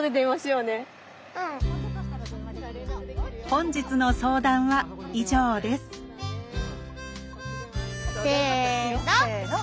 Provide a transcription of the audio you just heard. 本日の相談は以上ですせの。